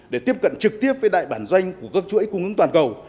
để tiếp cận trực tiếp với đại bản doanh của các chuỗi cung ứng toàn cầu